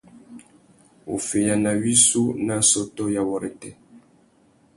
Wuffeyana wissú nà assôtô ya wôrêtê.